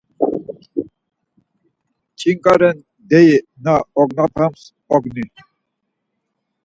Ç̌inǩa ren deyi na ognapams ognii?